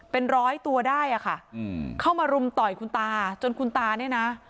เป็นร้อยตัวได้อะค่ะเข้ามารุมต่อยคุณตาจนคุณตาเนี่ยนะ